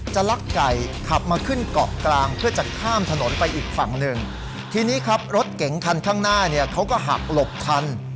ลักไก่ขับมาขึ้นเกาะกลางเพื่อจะข้ามถนนไปอีกฝั่งหนึ่งทีนี้ครับรถเก๋งคันข้างหน้าเนี่ยเขาก็หักหลบทัน